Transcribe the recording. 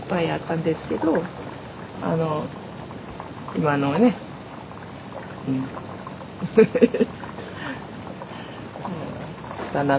今のねフフフフ！